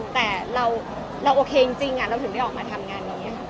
แต่เราโอเคจริงอะเราถึงได้ออกมาทำงาน